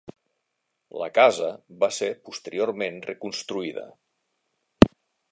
La casa va ser posteriorment reconstruïda.